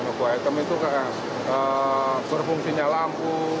nobo item itu berfungsinya lampu